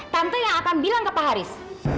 tentu yang akan bilang ke pak haris